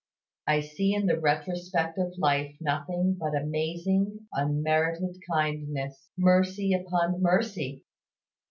I see in the retrospect of life nothing but amazing, unmerited kindness, mercy upon mercy!